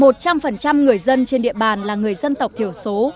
trăm phần trăm người dân trên địa bàn là người dân tộc thiểu số